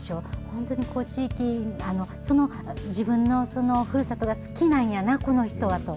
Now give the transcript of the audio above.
本当に地域、自分のふるさとが好きなんやな、この人はと。